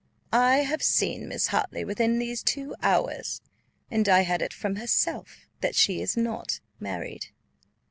I have seen Miss Hartley within these two hours, and I had it from herself that she is not married."